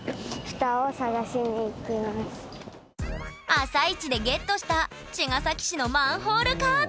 朝一でゲットした茅ヶ崎市のマンホールカード。